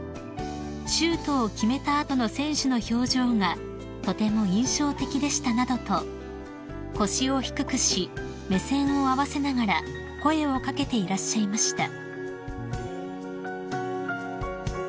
「シュートを決めた後の選手の表情がとても印象的でした」などと腰を低くし目線を合わせながら声を掛けていらっしゃいました］